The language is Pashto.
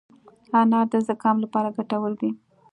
انار د زکام لپاره ګټور دی.